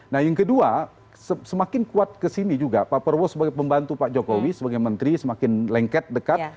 nah yang kedua semakin kuat kesini juga pak prabowo sebagai pembantu pak jokowi sebagai menteri semakin lengket dekat